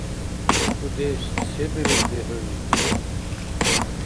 Дудеш, се бирулри хӏуни?